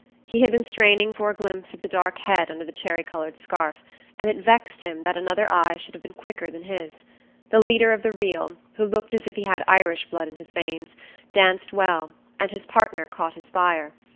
He had been straining for a glimpse of the dark head under the cherry coloured scarf and it vexed him that another eye should have been quicker than his. The leader of the reel, who looked as if he had Irish blood in his veins, danced well, and his partner caught his fire.